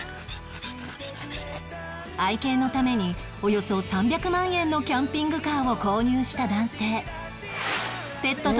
愛犬のためにおよそ３００万円のキャンピングカーを購入した男性